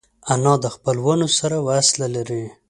انا د خپلوانو سره وصله لري